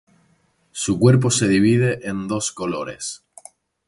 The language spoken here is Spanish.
Su cuerpo se divide en dos colores.